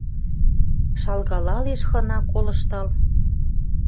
Шалгалалеш хына, колыштал.